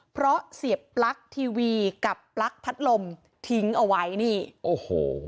เพราะเสียบปลั๊กทีวีกับปลั๊กพัดลมทิ้งเอาไว้นี่โอ้โห